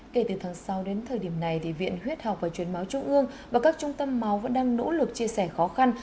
kể từ tháng sáu đến thời điểm này viện huyết học và truyền máu trung ương và các trung tâm máu vẫn đang nỗ lực chia sẻ khó khăn